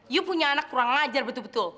you punya anak kurang ngajar betul betul